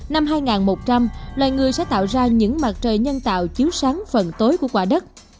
năm hai nghìn một trăm linh loài người sẽ tạo ra những mặt trời nhân tạo chiếu sáng phần tối của quả đất